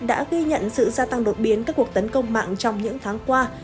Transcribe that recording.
đã ghi nhận sự gia tăng đột biến các cuộc tấn công mạng trong những tháng qua